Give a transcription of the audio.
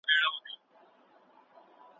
محصل ته باید د مسلسل کار کولو انګېزه ورکړل سي.